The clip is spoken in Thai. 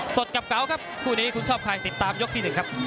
สดกับเก๋าครับคู่นี้คุณชอบใครติดตามยกที่๑ครับ